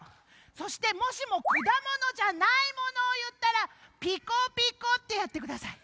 そしてもしもくだものじゃないものをいったら「ピコピコ」ってやってください。